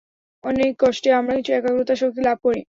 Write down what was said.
অনেক কষ্টে আমরা কিছু একাগ্রতার শক্তি লাভ করি।